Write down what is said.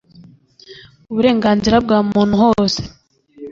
uburenganzira bwa muntu hose